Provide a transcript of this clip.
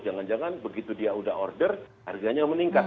jangan jangan begitu dia udah order harganya meningkat